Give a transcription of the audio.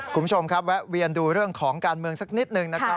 คุณผู้ชมครับแวะเวียนดูเรื่องของการเมืองสักนิดหนึ่งนะครับ